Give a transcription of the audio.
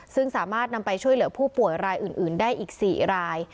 ซึ่งสามารถนำไปช่วยเหลือผู้ป่วยรายอื่นได้อีก๔ราย